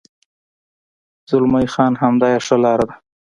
زلمی خان: همدا یې ښه لار ده.